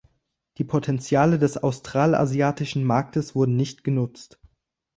Die Potenziale des australasiatischen Marktes wurden nicht genutzt.